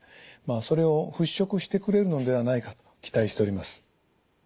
それを払拭してくれるのではないかと期待しております。